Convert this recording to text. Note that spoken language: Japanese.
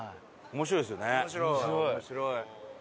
面白い。